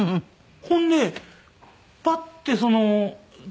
ほんでパッてその机の中